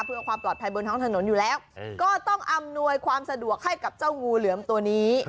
เพื่อความปลอดภัยบนท้องถนนอยู่แล้วก็ต้องอำนวยความสะดวกให้กับเจ้างูเหลือมตัวนี้